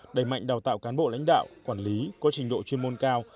đẩy mạnh đào tạo cán bộ lãnh đạo quản lý có trình độ chuyên môn cao